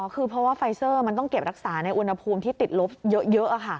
คือเพราะว่าไฟเซอร์มันต้องเก็บรักษาในอุณหภูมิที่ติดลบเยอะ